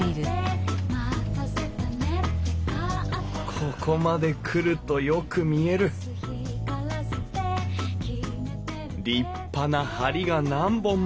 ここまで来るとよく見える立派な梁が何本も。